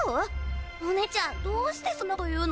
お姉ちゃんどうしてそんな事言うの？